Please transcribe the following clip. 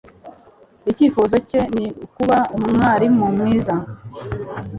Icyifuzo cye ni ukuba umwarimu mwiza.